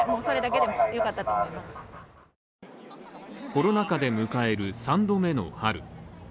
コロナ禍で迎える３度目の春。